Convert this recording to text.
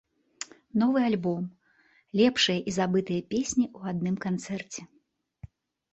Новы альбом, лепшыя і забытыя песні ў адным канцэрце!